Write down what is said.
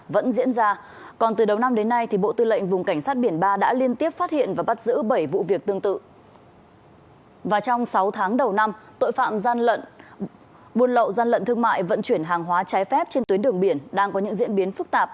vẫn trong sáu tháng đầu năm tội phạm gian lận thương mại vận chuyển hàng hóa trái phép trên tuyến đường biển đang có những diễn biến phức tạp